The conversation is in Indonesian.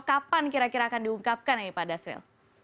kapan kira kira akan diungkapkan ini pak dasril